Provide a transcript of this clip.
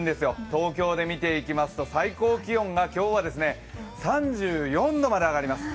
東京で見ていきますと最高気温が今日は３４度まで上がります。